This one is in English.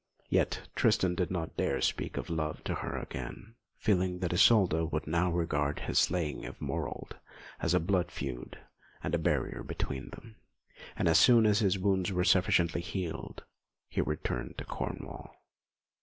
Yet Tristan did not dare to speak of love to her again, feeling that Isolda would now regard his slaying of Morold as a blood feud and barrier between them; and as soon as his wounds were sufficiently healed, he returned to Cornwall.